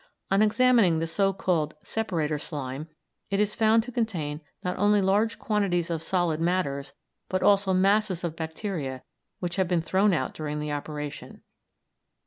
On examining the so called "separator slime," it is found to contain not only large quantities of solid matters, but also masses of bacteria which have been thrown out during the operation.